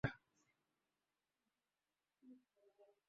গাড়ি থামলে তারা একটি প্লাস্টিকের বোতলে রাখা পেট্রল ঢালার চেষ্টা করে।